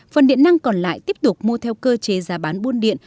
phần điện năng còn lại tiếp tục mua theo cơ chế giá bán buôn điện